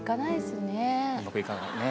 うまくいかないね。